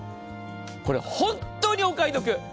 これ、本当にお買い得。